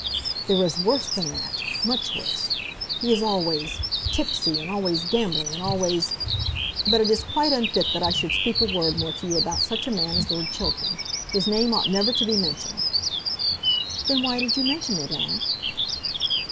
"There is worse than that, much worse. He is always tipsy, and always gambling, and always But it is quite unfit that I should speak a word more to you about such a man as Lord Chiltern. His name ought never to be mentioned." "Then why did you mention it, aunt?"